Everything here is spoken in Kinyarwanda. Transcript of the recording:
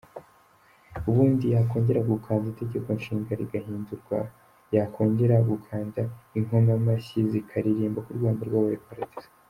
Ubundi yakkongera gukanda itegekonshinga rigahindurwa, yakongera gukanda inkomamashyi zikaririmba ko u Rwanda rwabaye paradizo.